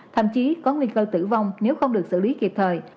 thậm chí có nguy cơ tử vong nếu không được xử lý kịp thời